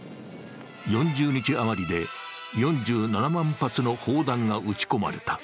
４０日余りで４７万発の砲弾が撃ち込まれた。